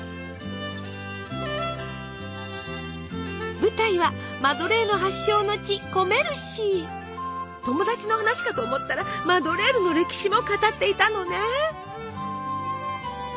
舞台はマドレーヌ発祥の地友達の話かと思ったらマドレーヌの歴史も語っていたのね。